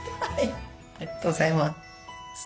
ありがとうございます。